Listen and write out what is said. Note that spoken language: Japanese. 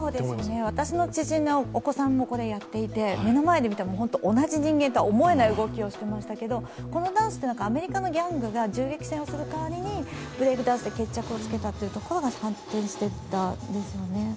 私の知人のお子さんもやっていて、同じ人間とは思えない動きをしていますけど、このダンスってアメリカのギャングが銃撃戦をする代わりにブレイクダンスで決着をつけたというところが発端と言われますよね。